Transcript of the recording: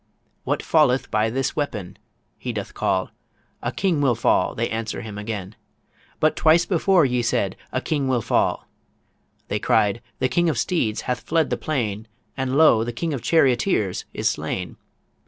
"What falleth by this weapon?" he doth call "A King will fall," they answer him again ... "But twice before ye said, 'A King will fall'" ... They cried, "The King of Steeds hath fled the plain, And lo, the King of Charioteers is slain!"